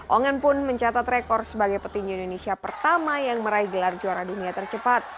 ongen pun mencatat rekor sebagai petinju indonesia pertama yang meraih gelar juara dunia tercepat